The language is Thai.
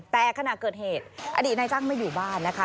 แต่ขณะเกิดเหตุอดีตนายจ้างไม่อยู่บ้านนะคะ